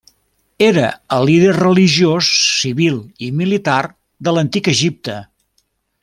Era el líder religiós, civil i militar de l'Antic Egipte.